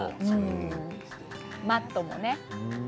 マットもね。